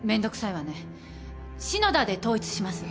篠田で統一します。